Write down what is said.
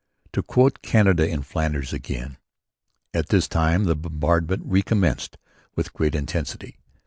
To quote "Canada in Flanders" again: "At this time the bombardment recommenced with great intensity.